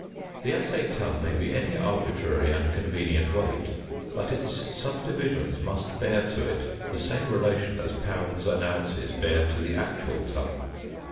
The assay ton may be any arbitrary and convenient weight, but its subdivisions must bear to it the same relations as pounds and ounces bear to the actual ton.